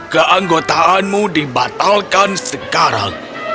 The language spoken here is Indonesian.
keanggotaanmu dibatalkan sekarang